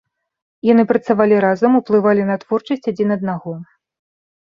Яны працавалі разам, уплывалі на творчасць адзін аднаго.